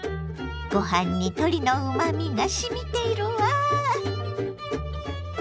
ご飯に鶏のうまみがしみているわ！